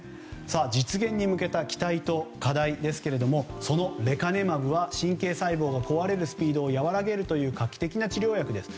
実現に向けた期待と課題ですがそのレカネマブは神経細胞が壊れるスピードを和らげるという画期的な治療薬です。